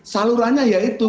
salurannya ya itu